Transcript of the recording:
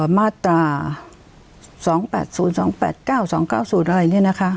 มาตรา๒๘๐๒๘๙๒๙๐อะไรเนี่ยนะคะ